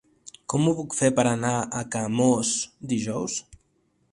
Com ho puc fer per anar a Camós dijous?